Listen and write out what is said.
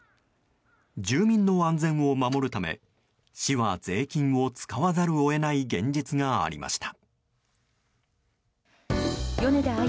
住民の安全を守るため市は税金を使わざるを得ない現実がありました。